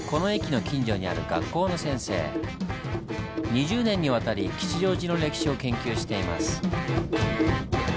２０年にわたり吉祥寺の歴史を研究しています。